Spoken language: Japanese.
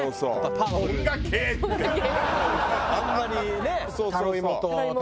あんまりね。